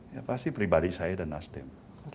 ya pasti pribadi saya dan nasdem